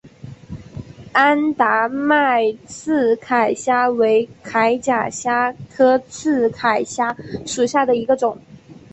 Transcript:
安达曼刺铠虾为铠甲虾科刺铠虾属下的一个种。